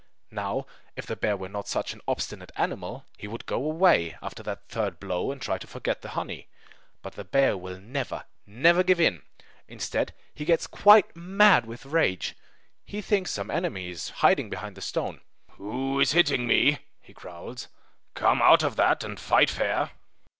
Now, if the bear were not such an obstinate animal, he would go away after that third blow, and try to forget the honey. But the bear will never, never, give in! Instead, he gets quite mad with rage. He thinks some enemy is hiding behind the stone! "Who is hitting me?" he growls. "Come out of that, and fight fair!"